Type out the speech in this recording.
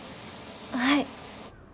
はい。